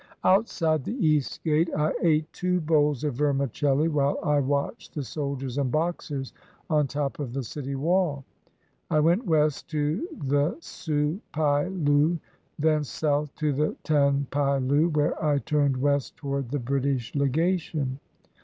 Outside the East Gate I ate two bowls of vermicelli, while I watched the soldiers and Boxers on top of the city wall. I went west to the Ssu P'ai Lou, thence south to the Tan P'ai Lou, where I turned west toward the British Legation.